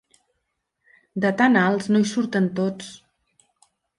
De tan alts no hi surten tots.